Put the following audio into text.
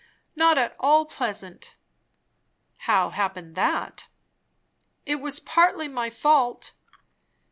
"Not at all pleasant." "How happened that?" "It was partly my fault."